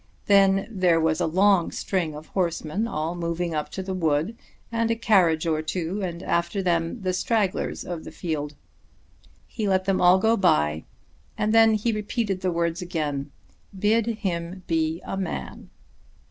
Then there was a long string of horsemen, all moving up to the wood, and a carriage or two, and after them the stragglers of the field. He let them all go by, and then he repeated the words again, "Bid him be a man."